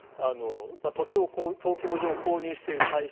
土地を登記簿上、購入している会社